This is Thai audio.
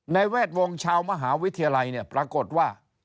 แวดวงชาวมหาวิทยาลัยเนี่ยปรากฏว่า